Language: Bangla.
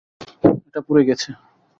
এটা পুড়ে গেছে।